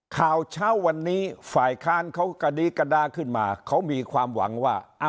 ข่าวเช้าวันนี้ฝ่ายค้านเขากระดีกระดาขึ้นมาเขามีความหวังว่า